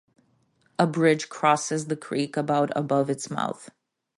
A bridge crosses the creek about above its mouth.